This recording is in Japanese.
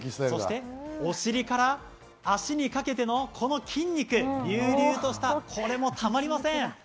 お尻から足にかけての、この筋肉隆々とした、これもたまりません。